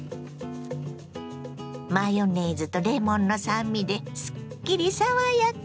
マヨネーズとレモンの酸味ですっきり爽やか。